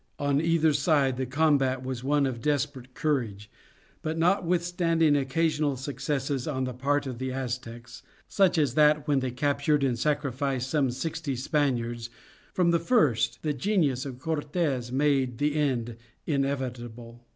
On either side the combat was one of desperate courage, but notwithstanding occasional successes on the part of the Aztecs, such as that when they captured and sacrificed some sixty Spaniards, from the first the genius of Cortes made the end inevitable.